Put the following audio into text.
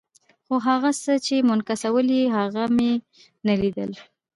خو هغه څه چې منعکسول یې، هغه مې نه لیدل.